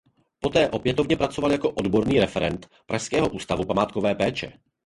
Poté opětovně pracoval jako odborný referent Pražského ústavu památkové péče.